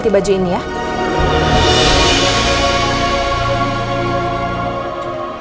kami akan mencari penyelamat